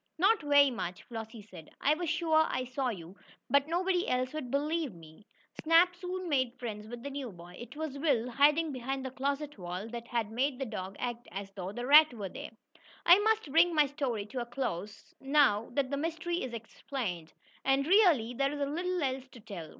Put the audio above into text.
"Not very much," Flossie said. "I was sure I saw you, but nobody else would believe me." Snap soon made friends with the new boy. It was Will, hiding behind the closet wall, that had made the dog act as though a rat were there. I must bring my story to a close, now that the mystery is explained. And, really, there is little else to tell.